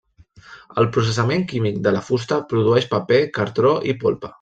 El processament químic de la fusta produeix paper, cartó i polpa.